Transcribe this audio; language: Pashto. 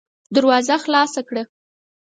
دروازه خلاصه کړه!